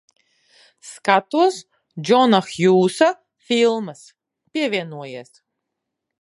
Skatos Džona Hjūsa filmas. Pievienojies.